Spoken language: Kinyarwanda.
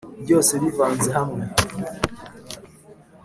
byose bivanze hamwe,